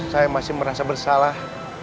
saya masih merasa bersalah